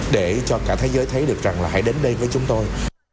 để cho cả thế giới thấy được rằng là hãy đến đây với chúng tôi